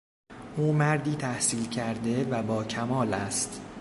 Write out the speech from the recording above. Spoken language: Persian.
او مردی تحصیل کرده و با کمال است.